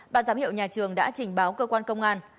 ban giám hiệu nhà trường đã trình báo cơ quan công an